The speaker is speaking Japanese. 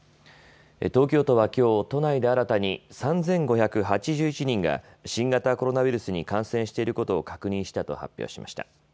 東京都はきょう都内で新たに３５８１人が新型コロナウイルスに感染していることを確認したと発表しました。